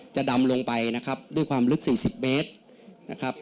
จะดำลงไปนะครับด้วยความลึก๔๐เมตร